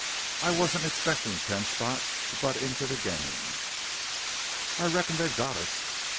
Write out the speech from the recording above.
I wasn't expectin' Ten Spot to butt into the game." "I reckon they've got us."